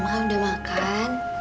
mama kan udah makan